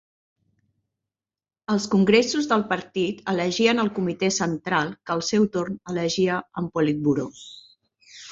Els Congressos del Partit elegien al Comitè Central que al seu torn elegia en Politburó.